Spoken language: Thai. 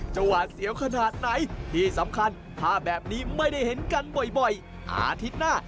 ช่วยเห็นกันบ่อยอาทิตย์หน้า